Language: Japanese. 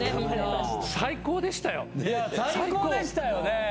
最高でしたよね。